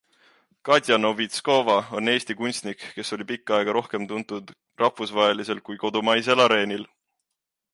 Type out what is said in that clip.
Katja Novitskova on Eesti kunstnik, kes oli pikka aega rohkem tuntud rahvusvahelisel kui kodumaisel areenil.